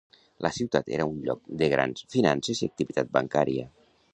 La ciutat era un lloc de grans finances i activitat bancària.